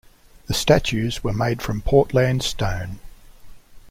The statues were made from Portland stone.